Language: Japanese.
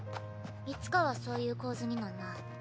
いつかはそういう構図になんな。